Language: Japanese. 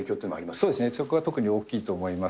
そうですね、そこは特に大きいと思います。